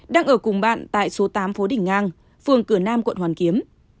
đang ở cùng bạn tại số tám phố đình ngang phường cửa nam quận hoàn kiếm